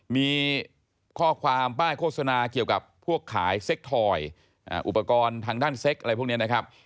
มีข้อความป้ายโฆษณาเกี่ยวกับพวกขายเซ็กทอยอุปกรณ์ทางด้านเซ็กอะไรพวกนี้นะครับ